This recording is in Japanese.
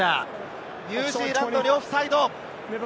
ニュージーランドにオフサイド。